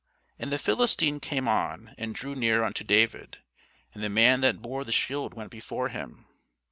And the Philistine came on and drew near unto David; and the man that bore the shield went before him.